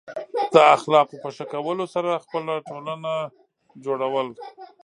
د اخلاقو په ښه کولو سره خپل ټولنه جوړول.